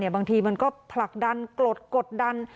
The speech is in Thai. บางทีมันก็ผลักดันกรดกดดัน